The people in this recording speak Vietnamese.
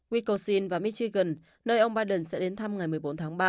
wiscosin và michigan nơi ông biden sẽ đến thăm ngày một mươi bốn tháng ba